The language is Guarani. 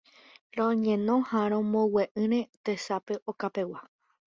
Roñeno ha rombogue'ỹre tesape okapegua